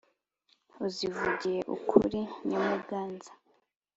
uzivugiye ukuri nyamuganza,